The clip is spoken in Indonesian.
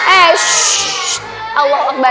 eh shhh allah allah